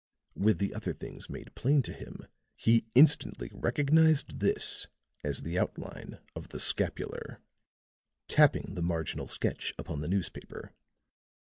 With the other things made plain to him, he instantly recognized this as the outline of the scapular," tapping the marginal sketch upon the newspaper.